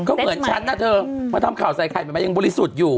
ก็เหมือนฉันนะเธอมาทำข่าวใส่ไข่มันยังบริสุทธิ์อยู่